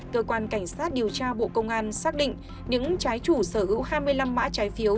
cơ quan cảnh sát điều tra bộ công an xác định những trái chủ sở hữu hai mươi năm mã trái phiếu